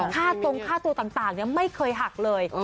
ค่าตรงค่าตัวต่างไม่เคยหักเลย